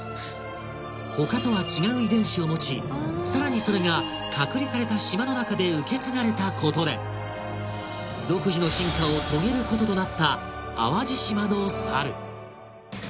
他とは違う遺伝子を持ちさらにそれが隔離された島の中で受け継がれたことで独自の進化を遂げることとなった淡路島のサル